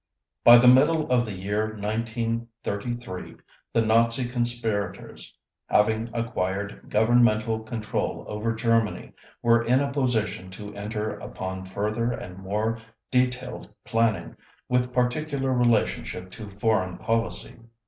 _ By the middle of the year 1933 the Nazi conspirators, having acquired governmental control over Germany, were in a position to enter upon further and more detailed planning with particular relationship to foreign policy.